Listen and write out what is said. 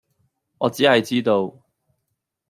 我只係知道